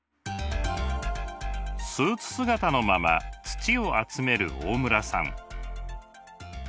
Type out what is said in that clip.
スーツ姿のまま土を集める大村さん。